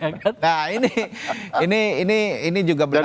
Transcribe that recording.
nah ini ini ini ini juga menarik